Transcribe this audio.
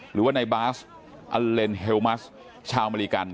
หรือว่าในบาสอัลเลนเฮลมัสชาวอเมริกัน